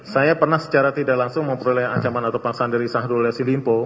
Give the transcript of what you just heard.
saya pernah secara tidak langsung memperoleh ancaman atau paksaan dari syahrul yassin limpo